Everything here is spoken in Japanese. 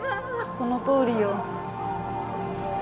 そのとおりよ。